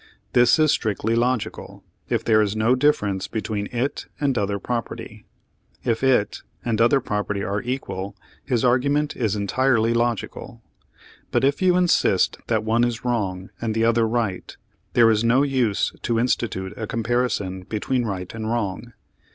This is strictly logical, if there is no difference between it and other property. If it and other propei'ty are equal, his argument is entirely logical. But if you insist that one is wi'ong and the other right, there is no use to institute a comparison between right and wrong.